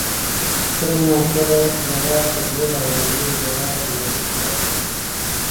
• کله ناکله چپ ژړا تر لوړ آوازه ژړا ژور درد لري.